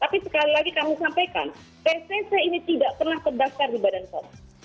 tapi sekali lagi kami sampaikan pcc ini tidak pernah terdaftar di badan pom